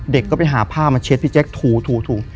เด็กก็ไปหาผ้ามาเช็ดพี่แจ็คถูถูถู